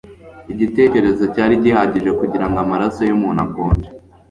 Igitekerezo cyari gihagije kugirango amaraso yumuntu akonje